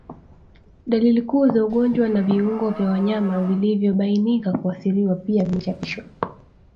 Dalili kuu za ugonjwa na viungo vya wanyama vilivyobainika kuathiriwa pia vimechapishwa